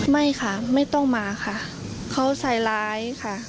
ไม่ค่ะไม่ต้องมาค่ะเขาใส่ร้ายค่ะ